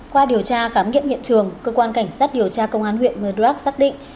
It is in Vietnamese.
qua điều tra khám nghiệm hiện trường cơ quan cảnh sát điều tra công an huyện mờ đoác xác định